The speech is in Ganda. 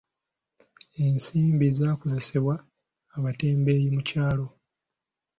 Ensimbi zaakozesebwa abatembeeyi mu kyalo.